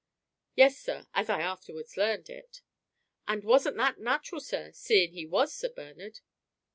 "Yes, sir, as I afterwards learned it. And wasn't that natural, sir, seeing he was Sir Bernard?"